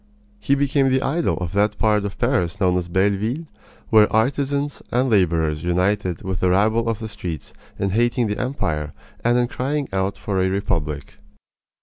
He became the idol of that part of Paris known as Belleville, where artisans and laborers united with the rabble of the streets in hating the empire and in crying out for a republic.